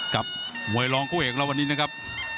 กับมวยรองคู่เอกเราวันนี้นะครับ